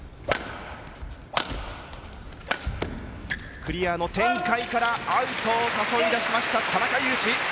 クリアの展開からアウトを誘い出しました田中湧士。